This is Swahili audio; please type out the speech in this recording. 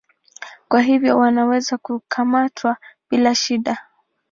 Kwa hivyo wanaweza kukamatwa bila shida.